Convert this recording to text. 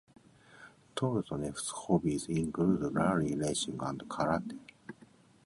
Trutnev's hobbies include rally racing and karate.